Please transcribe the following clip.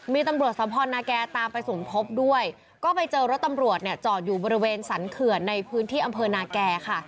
มีตำรวจสัมพณฑ์นาแกตามไปสูญทบด้วยก็ไปเจอรถตำรวจจอดอยู่บริเวณสันเขือนในภื้นที่อำเภอนาแกค่ะ